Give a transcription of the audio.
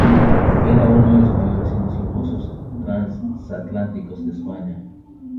Era uno de los mayores y más lujosos transatlánticos de España.